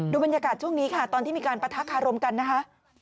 บรรยากาศช่วงนี้ค่ะตอนที่มีการปะทะคารมกันนะคะ